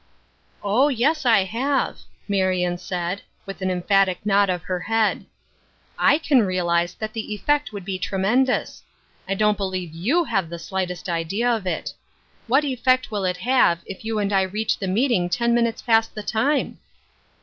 " Oh, yes I have," Marion said, with an em phatic nod of her head. " I can realize that the 'effect would be tremendous. I don't believe you have the slightest idea of it I What effect will it have, if you and I reach the meeting ten minutes past the time